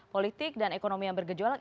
politik dan ekonomi yang bergejolak